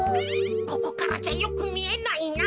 ここからじゃよくみえないな。